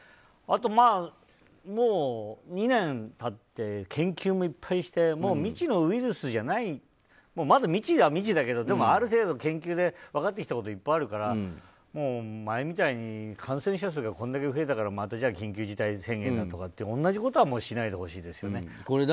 あとは、もう２年経って研究もいっぱいして未知のウイルスじゃないまだ未知は未知だけどある程度、研究で分かってきたことがいっぱいあるから、前みたいに感染者数がこれだけ増えたからまた緊急事態宣言だとかって同じことはもうしないでほしいですよね。